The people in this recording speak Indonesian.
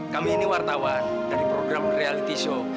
kami ini wartawan dari program reality show